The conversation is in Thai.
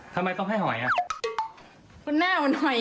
ทำไมต้องให้หอยอ่ะ